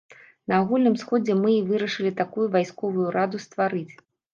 На агульным сходзе мы і вырашылі такую вайсковую раду стварыць.